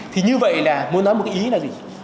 thì như vậy là muốn nói một cái ý là gì